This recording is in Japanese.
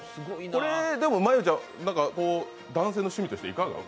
これ、真悠ちゃん、男性の趣味としていかが？